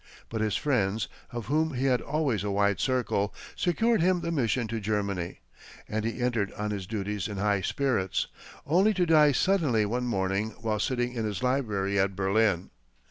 But his friends, of whom he had always a wide circle, secured him the mission to Germany, and he entered on his duties in high spirits only to die suddenly one morning while sitting in his library at Berlin.